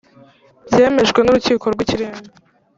byemejwe n Urukiko rw Ikirenga